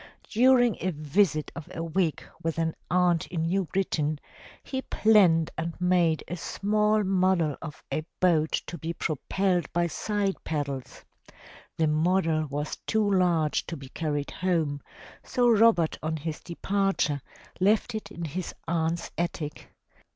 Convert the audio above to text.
During a visit of a week with an aunt in New Britain, he planned and made a small model of ^ boat to be propelled by side paddles. The model was too large to be carried home, so Robert on his departure left it in his aunt's attic.